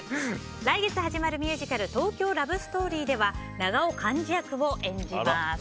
来月始まるミュージカル「東京ラブストーリー」では永尾完治役を演じます。